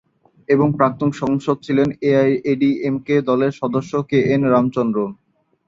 এবং প্রাক্তন সংসদ ছিলেন এআইএডিএমকে দলের সদস্য কে এন রামচন্দ্রন।